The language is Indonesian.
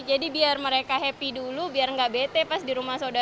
jadi biar mereka happy dulu biar gak bete pas di rumah saudara